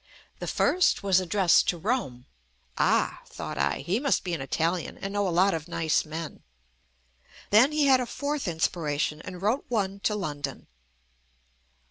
The first was ad dressed to Rome. Ah! thought I, he must be an Italian and know a lot of nice men. Then he had a fourth inspiration and wrote one to London.